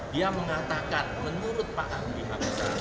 dia mengatakan menurut pak agwi haku sahab